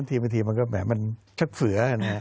ทีมันก็แบบมันชักเผือ